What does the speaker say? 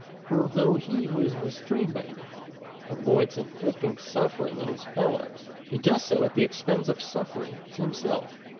For though he who is restrained by it avoids inflicting suffering on his fellows, he does so at the expense of suffering to him self.